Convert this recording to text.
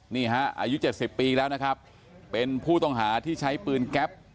นี่ฮะอายุ๗๐ปีแล้วนะครับเป็นผู้ต้องหาที่ใช้ปืนแก๊ป